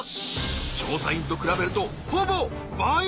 調査員と比べるとほぼ倍！